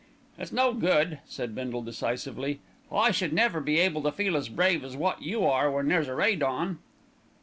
"It's no good," said Bindle decisively. "I should never be able to feel as brave as wot you are when there's a raid on."